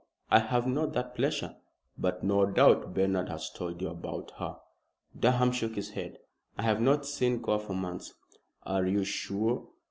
I have not that pleasure." "But no doubt Bernard has told you about her." Durham shook his head. "I have not seen Gore for months." "Are you sure?